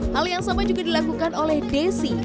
hal yang sama juga dilakukan oleh desi